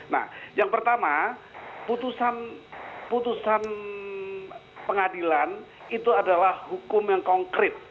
nah yang pertama putusan pengadilan itu adalah hukum yang konkret